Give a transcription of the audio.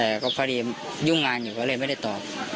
แต่ก็พอดียุ่งงานอยู่เขาเลยไม่ได้ตอบ